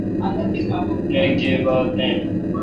نہ گیب بات نین۔